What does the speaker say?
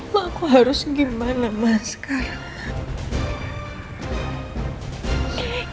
ma aku harus gimana ma sekarang